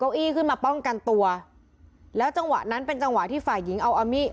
อี้ขึ้นมาป้องกันตัวแล้วจังหวะนั้นเป็นจังหวะที่ฝ่ายหญิงเอาอามี่